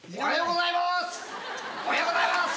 おはようございます。